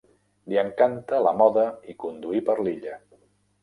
Li encanta la moda i conduir per l'illa.